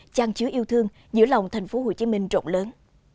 trang chứa yêu thương giữa lòng thành phố hồ chí minh rộng lớn